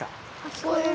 聞こえる。